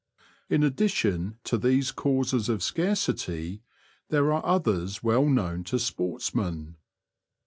In addition to these causes of scarcity there are others well known to sportsmen.